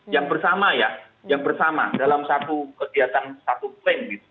yang bersama ya yang bersama dalam satu kegiatan satu klaim gitu